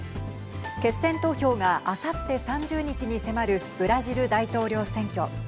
決選投票があさって３０日に迫るブラジル大統領選挙。